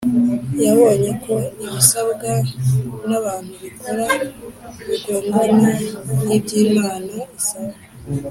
, yabonye ko ibisabwa n’abantu bihora bigongana n’iby’Imana isaba.